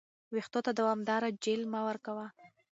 ویښتو ته دوامداره جیل مه ورکوه.